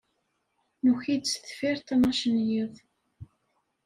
Nuki-d sdeffir ttnac n yiḍ.